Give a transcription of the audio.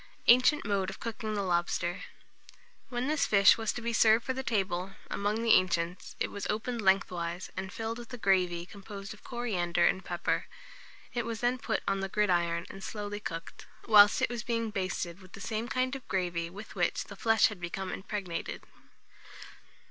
ANCIENT MODE OF COOKING THE LOBSTER. When this fish was to be served for the table, among the ancients, it was opened lengthwise, and filled with a gravy composed of coriander and pepper. It was then put on the gridiron and slowly cooked, whilst it was being basted with the same kind of gravy with which the flesh had become impregnated.